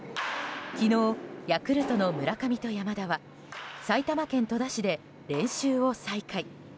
昨日、ヤクルトの村上と山田は埼玉県戸田市で練習を再開。